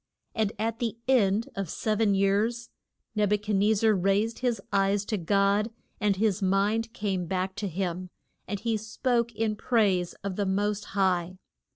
And at the end of the sev en years Neb u chad nez zar raised his eyes to God, and his mind came back to him, and he spoke in praise of the most High.